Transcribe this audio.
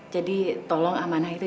jadi tolong amanah itu